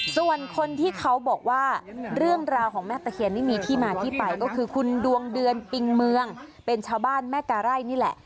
ส่วนคนที่เขาบอกว่าเรื่องราวของแม่ตะเคียนนี่มีที่มาที่ไปก็คือคุณดวงเดือนปิงเมืองเป็นชาวบ้านแม่กาไร่นี่แหละ